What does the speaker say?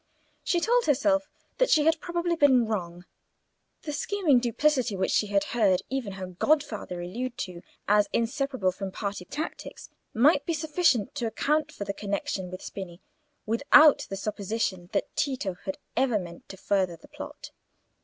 She told herself that she had probably been wrong. The scheming duplicity which she had heard even her godfather allude to as inseparable from party tactics might be sufficient to account for the connection with Spini, without the supposition that Tito had ever meant to further the plot.